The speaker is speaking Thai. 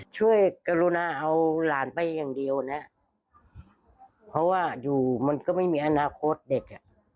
กรุณาเอาหลานไปอย่างเดียวนะเพราะว่าอยู่มันก็ไม่มีอนาคตเด็กอ่ะ